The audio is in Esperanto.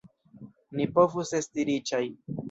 Ni povus esti riĉaj!